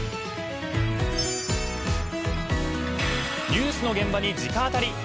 ニュースの現場に直当たり。